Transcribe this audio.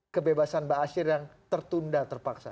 kebebasan mba asyir yang tertunda terpaksa